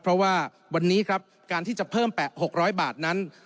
เพราะว่าวันนี้ครับการที่จะเพิ่มแปะ๖๐๐บาทนั้น